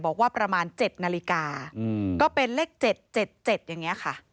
บอกว่าประมาณเจ็ดนาฬิกาอืมก็เป็นเลขเจ็ดเจ็ดเจ็ดอย่างเงี้ยค่ะ